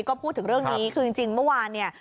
ก็พูดถึงเรื่องนี้คือจริงเมื่อวานเนี่ย